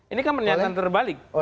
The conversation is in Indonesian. ini kan pernyataan terbalik